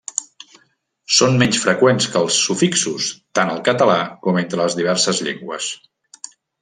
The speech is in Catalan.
Són menys freqüents que els sufixos, tant al català com entre les diverses llengües.